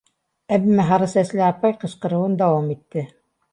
Әммә һары сәсле апай ҡысҡырыуын дауам итте: